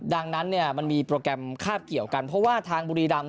ดังนั้นเนี่ยมันมีโปรแกรมคาบเกี่ยวกันเพราะว่าทางบุรีรำ